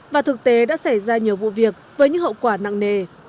và thực tế đã xảy ra nhiều vụ việc với những hậu quả nặng nề